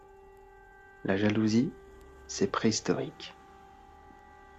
La jalousie, c'est préhistorique.